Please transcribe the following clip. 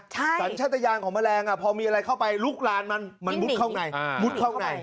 สัญชาติยานของแมลงพอมีอะไรเข้าไปลุกลานมันมุดเข้าในมุดเข้าใน